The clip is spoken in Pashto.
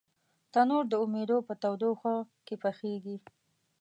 تنور د امیدو په تودوخه کې پخېږي